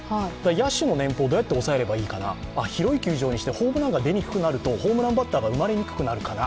野手の年俸をどうやって抑えればいいかな、広い球場にしてホームランが出にくくなるとホームランバッターが生まれにくくなるかな